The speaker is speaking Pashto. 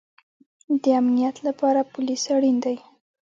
د امنیت لپاره پولیس اړین دی